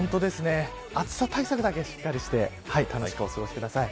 暑さ対策だけしっかりして楽しくお過ごしください。